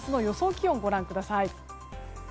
気温をご覧ください。